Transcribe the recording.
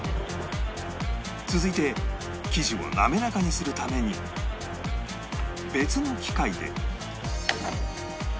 続いて生地を滑らかにするために別の機械で